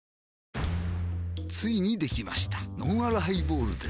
ついにできましたのんあるハイボールです